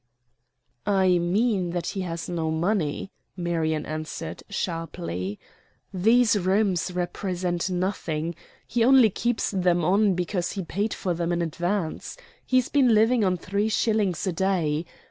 "I mean that he has no money," Marion answered, sharply. "These rooms represent nothing. He only keeps them on because he paid for them in advance. He's been living on three shillings a day.